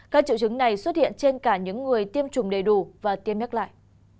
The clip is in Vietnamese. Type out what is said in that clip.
các triệu chứng này xuất hiện trên cả những người tiêm chủng đầy đủ và tiêm nhắc lại